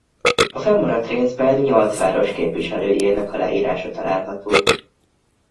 A fennmaradt részben nyolc város képviselőjének aláírása található.